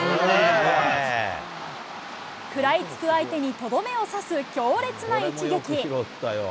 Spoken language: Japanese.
食らいつく相手にとどめを刺す強烈な一撃。